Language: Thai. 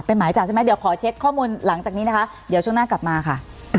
เป็นหมายจับใช่ไหมเดี๋ยวขอเช็คข้อมูลหลังจากนี้นะคะเดี๋ยวช่วงหน้ากลับมาค่ะ